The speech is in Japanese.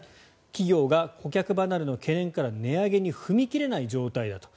企業が顧客離れの懸念から値上げに踏み切れない状態だと。